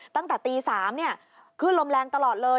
ตั้งแต่ตี๓เนี่ยคลื่นลมแรงตลอดเลย